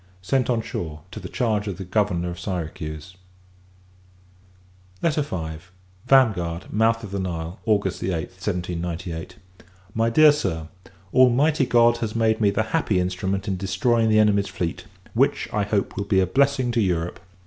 Sent on shore, to the charge of the Governor of Syracuse. V. Vanguard, Mouth of the Nile, August 8th, 1798. MY DEAR SIR, Almighty God has made me the happy instrument in destroying the enemy's fleet; which, I hope, will be a blessing to Europe.